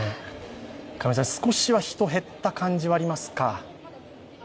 少しは人、減った感じはありますか？